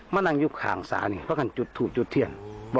มานั่งอยู่ขางค์สะนี่เพราะว่าจุดถูดจุดเทียด